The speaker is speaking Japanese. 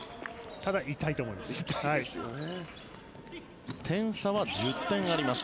ただ、痛いと思います。